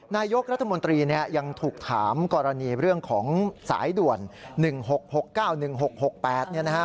นายกรัฐมนตรีเนี่ยยังถูกถามกรณีเรื่องของสายด่วน๑๖๖๙๑๖๖๘เนี่ยนะฮะ